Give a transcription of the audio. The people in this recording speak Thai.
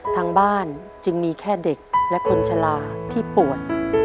ทางบ้านจึงมีแค่เด็กและคนชะลาที่ป่วย